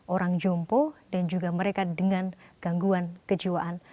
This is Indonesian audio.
orang jompo dan juga mereka dengan gangguan kejiwaan